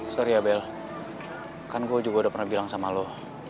sorry abel kan gue juga udah pernah bilang sama lo